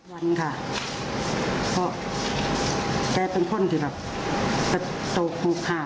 วันนี้ค่ะเพราะแกเป็นคนที่กระโตกลูกหาก